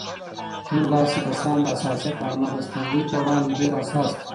کیڼ لاسي کسان د حساسیت او نفس تنګۍ په وړاندې ډېر حساس دي.